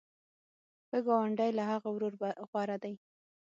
ښه ګاونډی له هغه ورور غوره دی.